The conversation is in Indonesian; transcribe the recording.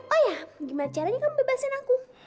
oh ya gimana caranya kamu bebasin aku